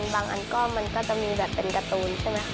อันก็มันก็จะมีแบบเป็นการ์ตูนใช่ไหมคะ